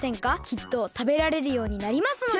きっとたべられるようになりますので。